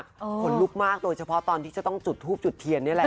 ขนลุกมากโดยเฉพาะตอนที่จะต้องจุดทูบจุดเทียนนี่แหละ